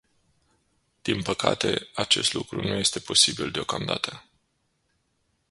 Din păcate, acest lucru nu este posibil deocamdată.